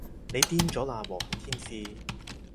你癲咗喇，和平天使